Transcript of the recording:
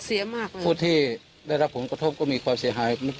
มากเลยผู้ที่ได้รับผลกระทบก็มีความเสียหาย